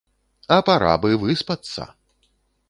А пара б і выспацца!